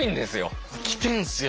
来てんすよ